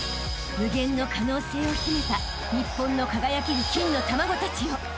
［無限の可能性を秘めた日本の輝ける金の卵たちよ］